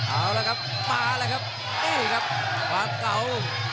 เอาละครับมาแล้วครับนี่ครับความเก่า